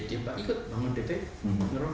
ya pak ikut bangun dprd